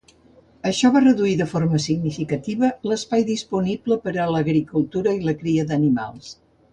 Això va reduir de forma significativa l'espai disponible per a l'agricultura i la cria d'animals.